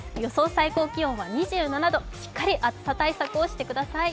最高気温は２７度しっかり暑さ対策をしてください。